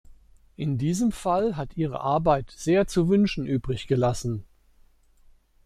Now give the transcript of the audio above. In diesem Fall hat ihre Arbeit sehr zu wünschen übrig gelassen.